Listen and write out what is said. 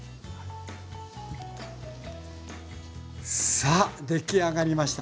さあ出来上がりました。